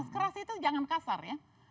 keras itu jangan kasar ya